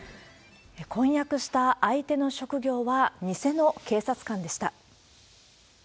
婚約した相手の職業は偽の警察官でした。